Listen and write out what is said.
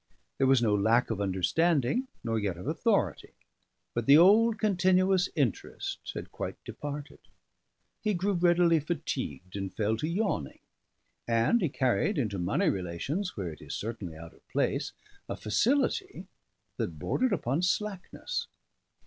There was no lack of understanding, nor yet of authority; but the old continuous interest had quite departed; he grew readily fatigued, and fell to yawning; and he carried into money relations, where it is certainly out of place, a facility that bordered upon slackness.